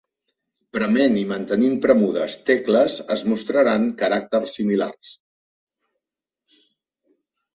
Prement i mantenint premudes tecles es mostraran caràcters similars.